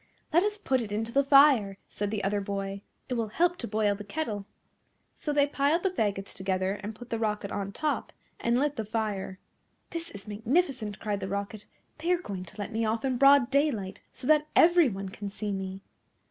"Let us put it into the fire!" said the other boy, "it will help to boil the kettle." So they piled the faggots together, and put the Rocket on top, and lit the fire. "This is magnificent," cried the Rocket, "they are going to let me off in broad daylight, so that everyone can see me."